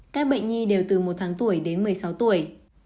các bệnh nhi đều từ một tháng tuổi đến một mươi sáu tuổi